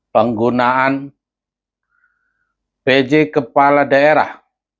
penggunaan pj kepala daerah